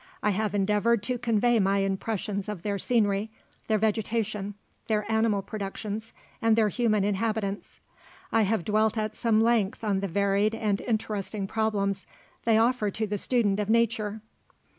I have endeavoured to convey my impressions of their scenery, their vegetation, their animal productions, and their human inhabitants. I have dwelt at some length on the varied and interesting problems they offer to the student of nature.